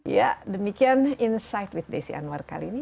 ya demikian insight with desi anwar kali ini